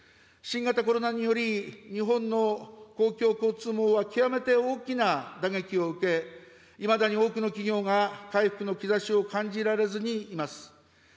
新型コロナにより、日本の公共交通網は極めて大きな打撃を受け、いまだに多くの企業が回復の兆しを感じられずにいます。